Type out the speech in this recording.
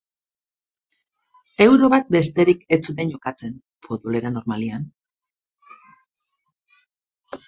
Euro bat besterik ez zuten jokatzen, futbolera normalean.